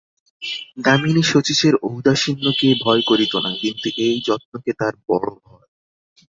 দামিনী শচীশের ঔদাসীন্যকে ভয় করিত না, কিন্তু এই যত্নকে তার বড়ো ভয়।